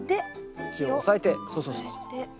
土を押さえてそうそうそうそう。